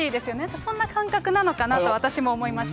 そんな感覚なのかなと私も思いました。